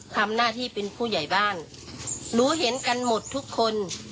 ทำหน้าที่เป็นผู้ใหญ่บ้านรู้เห็นกันหมดทุกคน